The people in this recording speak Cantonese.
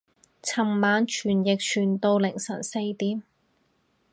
尋晚傳譯傳到凌晨四點